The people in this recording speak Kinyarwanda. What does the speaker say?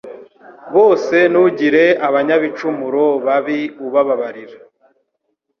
bose Ntugire abanyabicumuro babi ubabarira